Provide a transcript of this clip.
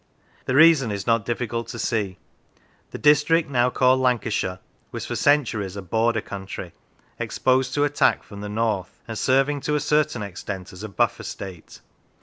The reason is not difficult to see. The district now called Lan cashire was for centuries a Border country, exposed to attack from the north, and serving to a certain extent as a buffer state.